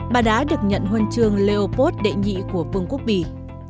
bà đã được nhận huân trường leopold đệ nhị của vương quốc bỉ